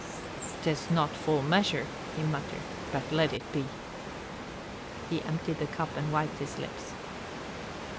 "'Tis not full measure," he muttered, "but let it be." He emptied the cup and wiped his lips.